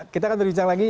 kita akan berbincang lagi